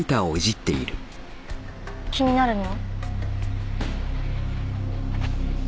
気になるの？